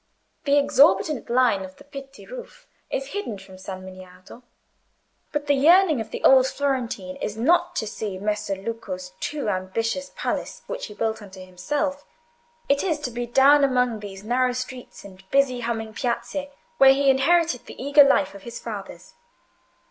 The exorbitant line of the Pitti roof is hidden from San Miniato; but the yearning of the old Florentine is not to see Messer Luca's too ambitious palace which he built unto himself; it is to be down among those narrow streets and busy humming Piazze where he inherited the eager life of his fathers.